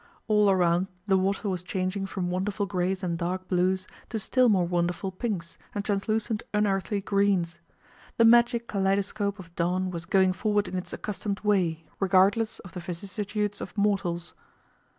All around the water was changing from wonderful greys and dark blues to still more wonderful pinks and translucent unearthly greens; the magic kaleidoscope of dawn was going forward in its accustomed way, regardless of the vicissitudes of mortals.